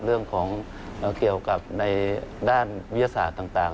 เรื่องของเกี่ยวกับในด้านวิทยาศาสตร์ต่าง